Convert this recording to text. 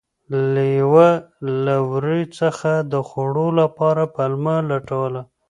لیوه له وري څخه د خوړلو لپاره پلمه لټوله.